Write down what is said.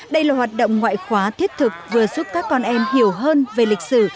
đây là hoạt động ngoại khóa thiết thực vừa giúp các con em hiểu hơn về lịch sử